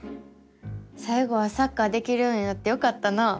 さい後はサッカーできるようになってよかったなぁ。